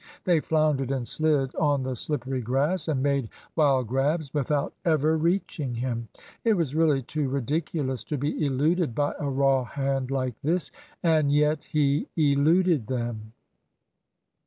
They floundered and slid on the slippery grass, and made wild grabs without ever reaching him. It was really too ridiculous to be eluded by a raw hand like this and yet he eluded them.